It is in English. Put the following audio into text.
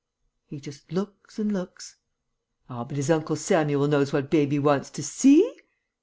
"He just looks and looks. Ah! but his Uncle Samuel knows what baby wants to see."